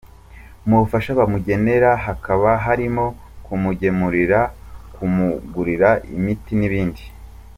Mu bufasha bamugenera hakaba harimo kumugemurira, kumugurira imiti n’ibindi.